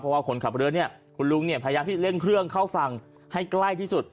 เพราะว่าคนขับเรือเนี่ยคุณลุงเนี่ยพยายามที่เร่งเครื่องเข้าฝั่งให้ใกล้ที่สุด